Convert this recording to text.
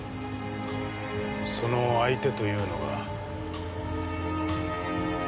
その相手というのが。